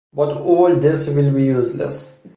But all this will be useless.